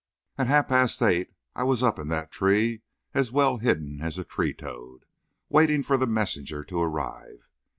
At half past eight I was up in that tree as well hidden as a tree toad, waiting for the messenger to arrive.